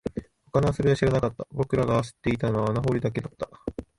他の遊びは知らなかった、僕らが知っていたのは穴掘りだけだった